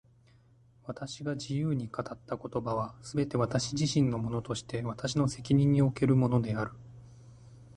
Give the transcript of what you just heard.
私が自由に語った言葉は、すべて私自身のものとして私の責任におけるものである。